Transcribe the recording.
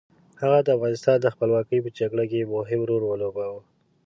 هغه د افغانستان د خپلواکۍ په جګړه کې مهم رول ولوباوه.